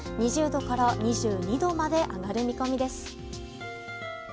２０度から２２度まで上がる見込みです。